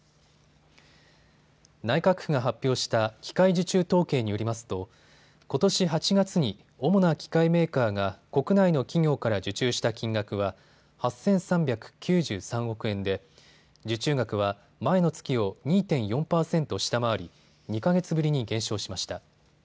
内閣府が発表した機械受注統計によりますとことし８月に主な機械メーカーが国内の企業から受注した金額は８３９３億円で受注額は前の月を２．４％下回り２か月ぶりに減少しました。